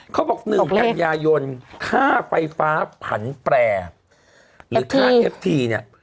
เขาบอก๑กันยายนค่าไฟฟ้าผันแปรหรือค่าเอฟทีเนี่ย